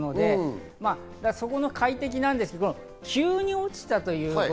快適なんですけど急に落ちたというところ。